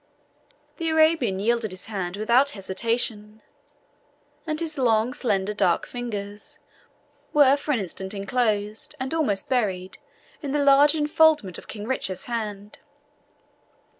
The Arabian yielded his hand without hesitation, and his long, slender dark fingers were for an instant enclosed, and almost buried, in the large enfoldment of King Richard's hand.